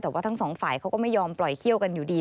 แต่ว่าทั้งสองฝ่ายเขาก็ไม่ยอมปล่อยเขี้ยวกันอยู่ดี